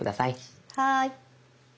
はい。